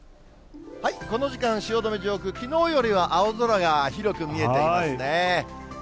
この時間、汐留上空、きのうよりは青空が広く見えていますね。